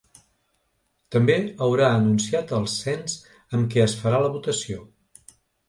També haurà anunciat el cens amb què es farà la votació.